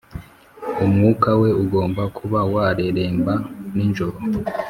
umwuka we ugomba kuba wareremba nijoro,